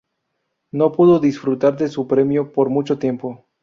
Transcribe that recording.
No pudo disfrutar de su premio por mucho tiempo.